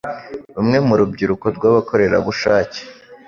Bamwe mu rubyiruko rw'abakorerabushake